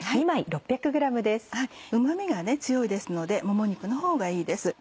うま味が強いですのでもも肉のほうがいいです。